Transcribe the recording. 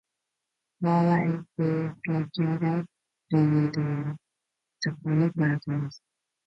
Pawlet is located in the Taconic Mountains.